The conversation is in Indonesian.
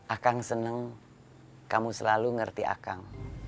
akan seneng kamu selalu ngerti akan